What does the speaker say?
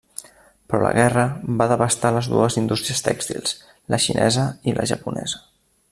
Però la guerra va devastar les dues indústries tèxtils, la xinesa i la japonesa.